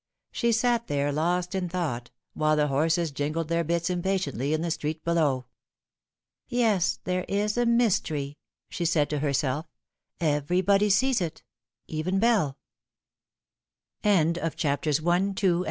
She sat there lost in thought, while the horses jingled their bits impatiently in the street below. " Yes, there is a mystery," she said to herself ;" everybody Bees it, even Bell." AU She could Remember.